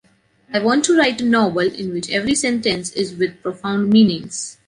I want to write a novel in which every sentence is with profound meanings.